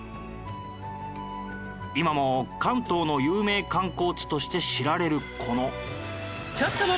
今も関東の有名観光地として知られるこの。